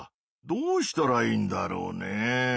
どうしたらいいんだろうね。